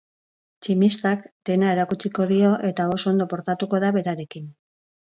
Tximistak dena erakutsiko dio eta oso ondo portatuko da berarekin.